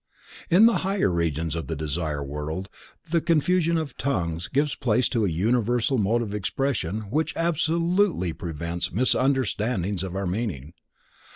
In the higher Regions of the Desire World the confusion of tongues gives place to a universal mode of expression which absolutely prevents misunderstandings of our meaning.